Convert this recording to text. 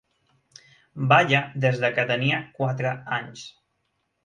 Balla des que tenia quatre anys.